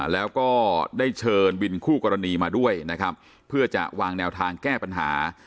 แล้วก็ได้เชิญวินคู่กรณีมาด้วยนะครับเพื่อจะวางแนวทางแก้ปัญหา